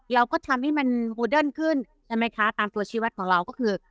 เราก็ทำให้มันขึ้นทำไมคะตามตัวชีวัตถ์ของเราก็คือ